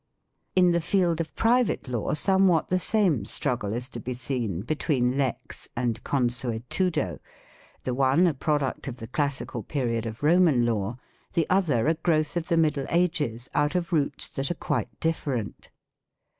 In the field of private law somewhat the same struggle is to be seen between " lex " and " con suetudo "; the one a product of the classical period of Roman law, the other a growth of the Middle Ages out of roots that are quite different.